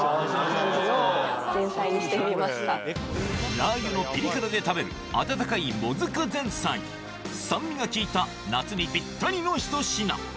ラー油のピリ辛で食べる温かいもずく前菜酸味が利いた夏にピッタリのひと品